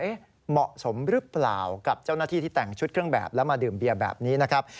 เหมาะสมหรือเปล่ากับเจ้าหน้าที่ที่แต่งชุดเครื่องแบบแล้วมาดื่มเบียร์แบบนี้นะครับ